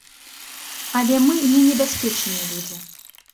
Але мы не небяспечныя людзі.